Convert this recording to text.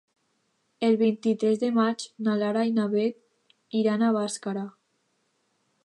El vint-i-tres de maig na Lara i na Beth iran a Bàscara.